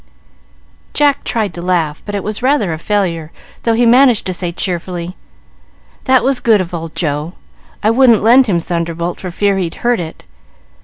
Jack tried to laugh, but it was rather a failure, though he managed to say, cheerfully, "That was good of old Joe. I wouldn't lend him 'Thunderbolt' for fear he'd hurt it.